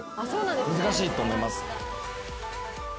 難しいと思います。